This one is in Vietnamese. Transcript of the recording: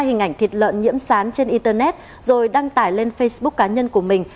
mạnh đã đăng tải hai hình ảnh thịt lợn nhiễm sán trên internet rồi đăng tải lên facebook cá nhân của mình